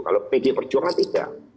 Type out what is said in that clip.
kalau pd perjuangan tidak